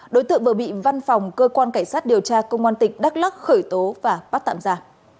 đối tượng vừa bị văn phòng cơ quan cảnh sát điều tra công an tỉnh đắk lắc khởi tố và bắt tạm ra